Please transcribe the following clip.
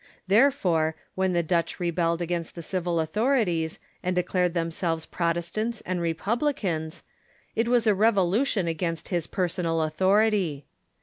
Therefore, Avhen the Dutch re belled against the civil authorities, and declared themselves Protestants and republicans, it Avas a revolution against his personal authority.